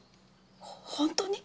ほ本当に？